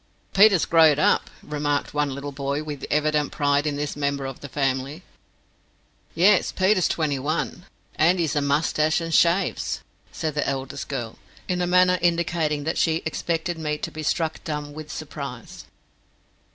"Peter's growed up," remarked one little boy, with evident pride in this member of the family. "Yes; Peter's twenty one, and hes a mustatche and shaves," said the eldest girl, in a manner indicating that she expected me to be struck dumb with surprise.